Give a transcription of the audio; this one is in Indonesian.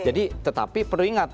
jadi tetapi perlu ingat